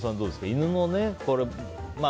犬のね。